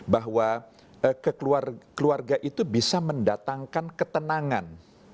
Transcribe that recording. bahwa keluarga itu bisa mendatangkan ketenangan